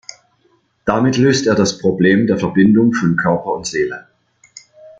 Damit löst er das Problem der Verbindung von Körper und Seele.